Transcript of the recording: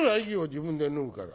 自分で脱ぐから。